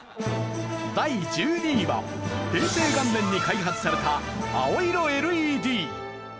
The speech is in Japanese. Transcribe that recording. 第１２位は平成元年に開発された青色ＬＥＤ。